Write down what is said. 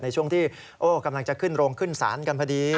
ในช่วงที่กำลังจะขึ้นโรงขึ้นศาลกันพอดี